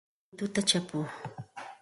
Pikuwanmi mituta chapuu.